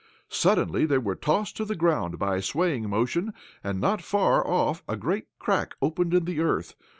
Suddenly they were tossed to the ground by a swaying motion, and not far off a great crack opened in the earth.